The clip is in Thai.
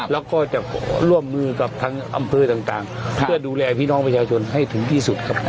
แล้วก็จะร่วมมือกับทางอำเภอต่างเพื่อดูแลพี่น้องประชาชนให้ถึงที่สุดครับ